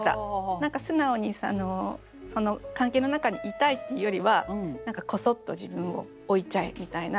何か素直にその関係の中にいたいっていうよりはコソッと自分を置いちゃえみたいな。